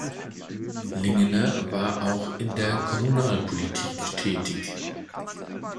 Lingener war auch in der Kommunalpolitik tätig.